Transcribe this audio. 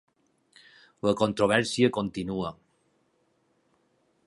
La controvèrsia continua.